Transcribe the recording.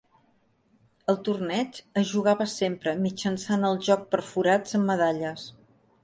El torneig es jugava sempre mitjançant el joc per forats amb medalles.